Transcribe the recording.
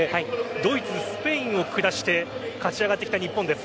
ドイツ、スペインを下して勝ち上がってきた日本です。